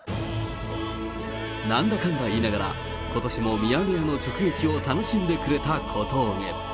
なんだかんだ言いながら、ことしもミヤネ屋の直撃を楽しんでくれた小峠。